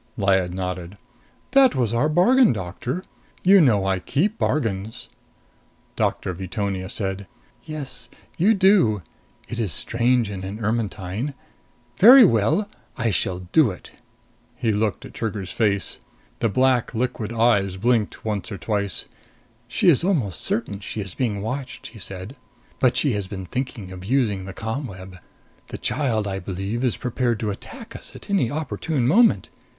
Lyad nodded. "That was our bargain, Doctor. You know I keep bargains." Doctor Veetonia said, "Yes. You do. It is strange in an Ermetyne. Very well! I shall do it." He looked at Trigger's face. The black liquid eyes blinked once or twice. "She is almost certain she is being watched," he said, "but she has been thinking of using the ComWeb. The child, I believe, is prepared to attack us at any opportune moment."